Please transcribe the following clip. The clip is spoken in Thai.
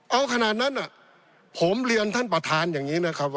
เอาขนาดนั้นผมเรียนท่านประธานอย่างนี้